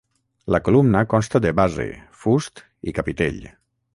La columna consta de base, fust i capitell.